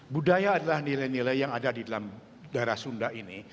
budaya adalah nilai nilai yang ada di dalam darah sunda ini